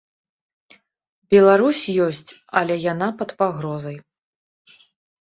Беларусь ёсць, але яна пад пагрозай.